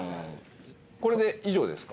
これで以上ですか？